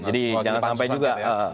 jadi jangan sampai juga